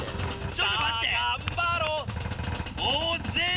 ちょっと待って！